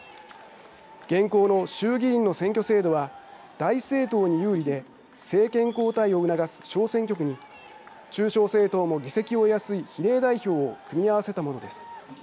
現行の衆議院の選挙制度は大政党に有利で政権交代を促す小選挙区に中小政党も議席を得やすい比例代表を組み合わせたものです。